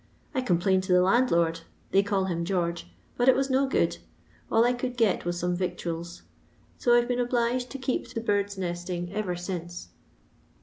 I complained to the land lord— they call him George — but it was no good ; all I could get was some victuals. So I 're been obliged to keep to birds' nesting eyer since.